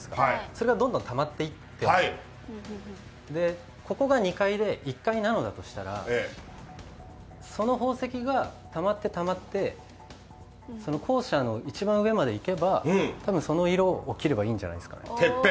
それがどんどんたまっていっててここが２階で１階なのだとしたらその宝石がたまってたまって校舎の一番上まで行けばたぶん、その色を切ればいいんじゃないですかね。